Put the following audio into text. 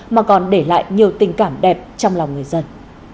mà còn để lại nhiều tình cảm đẹp trong lòng người dân